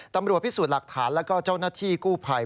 ตำรวจพิสูจน์หลักฐานแล้วก็เจ้าหน้าที่กู้ภัย